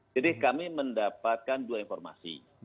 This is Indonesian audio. jadi kami mendapatkan dua informasi